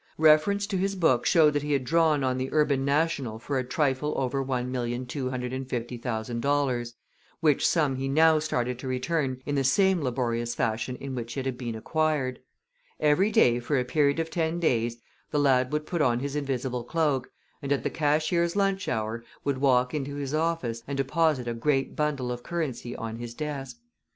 Reference to his books showed that he had drawn on the Urban National for a trifle over $1,250,000, which sum he now started to return in the same laborious fashion in which it had been acquired. Every day for a period of ten days the lad would put on his invisible cloak, and at the cashier's lunch hour would walk into his office and deposit a great bundle of currency on his desk.